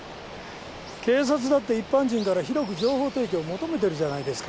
警察だって一般人から広く情報提供を求めてるじゃないですか。